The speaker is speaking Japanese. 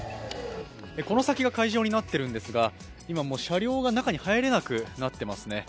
この先が会場になっているんですが今もう車両が中に入れなくなっていますね。